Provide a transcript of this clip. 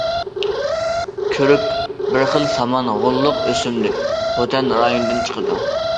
كۆرۈك بىر خىل سامان غوللۇق ئۆسۈملۈك (خوتەن رايونىدىن چىقىدۇ) .